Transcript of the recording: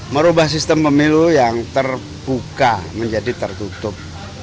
merubah sistem pemilu yang terbuka menjadi tertutup